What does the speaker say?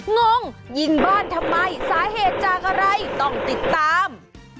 งงยิงบ้านทำไมสาเหตุจากอะไรต้องติดตาม